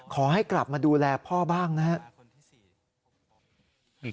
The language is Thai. ขอให้กลับมาดูแลพ่อบ้างนะครับ